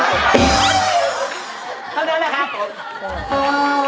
เท่านั้นแหละครับ